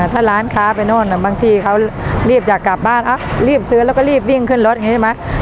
ถ้าร้านค้าไปโน่นบางทีเขารีบอยากกลับบ้านรีบซื้อแล้วก็รีบวิ่งขึ้นรถอย่างนี้ใช่ไหม